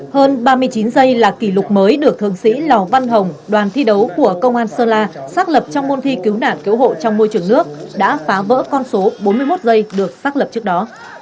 hơn ba mươi chín giây là kỷ lục mới được thượng sĩ lò văn hồng đoàn thi đấu của công an sơn la xác lập trong môn thi cứu nạn cứu hộ trong môi trường nước đã phá vỡ con số bốn mươi một giây được xác lập trước đó